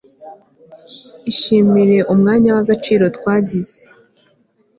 ishimire umwanya w'agaciro twagize